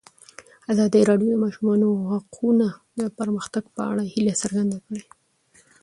ازادي راډیو د د ماشومانو حقونه د پرمختګ په اړه هیله څرګنده کړې.